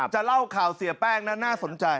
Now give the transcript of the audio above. จะเล่าข่าวเสียแป้งนั้นน่าสนใจ